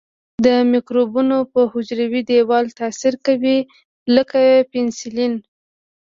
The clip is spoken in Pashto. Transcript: د مکروبونو په حجروي دیوال تاثیر کوي لکه پنسلین.